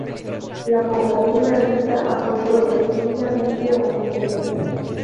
La población realista apoyó decididamente a Michelena.